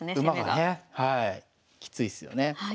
馬がねきついですよね。